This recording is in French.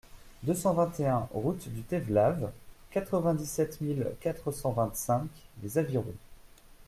deux cent vingt et un route du Tévelave, quatre-vingt-dix-sept mille quatre cent vingt-cinq Les Avirons